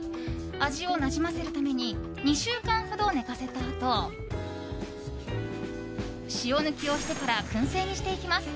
味をなじませるために２週間ほど寝かせたあと塩抜きをしてから燻製にしていきます。